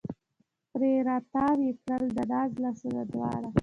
پرې را تاو یې کړه د ناز لاسونه دواړه